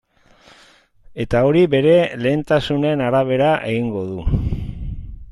Eta hori bere lehentasunen arabera egingo du.